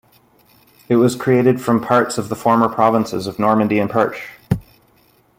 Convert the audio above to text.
It was created from parts of the former provinces of Normandy and Perche.